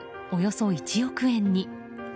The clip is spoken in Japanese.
およそ１億円に。